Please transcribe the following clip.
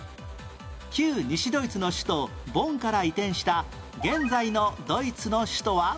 旧西ドイツの首都ボンから移転した現在のドイツの首都は？